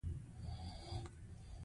لید د زاویې بدلون ته اړتیا لري.